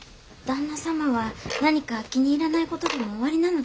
旦那様は何か気に入らない事でもおありなのですか？